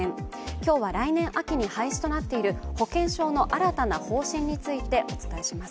今日は、来年秋に廃止となっている保険証の新たな方針についてお伝えします。